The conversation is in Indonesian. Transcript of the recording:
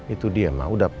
itu dia ma udah